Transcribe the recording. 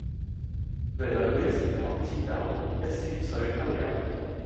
佢兩個一時糖黐豆，一時水摳油